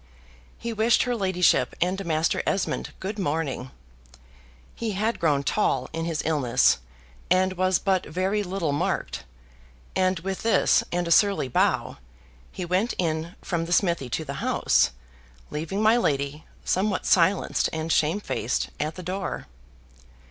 He wished her ladyship and Master Esmond good morning he had grown tall in his illness, and was but very little marked; and with this, and a surly bow, he went in from the smithy to the house, leaving my lady, somewhat silenced and shamefaced, at the door.